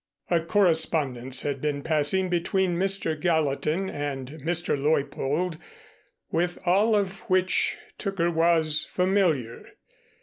A correspondence had been passing between Mr. Gallatin and Mr. Leuppold with all of which Tooker was familiar.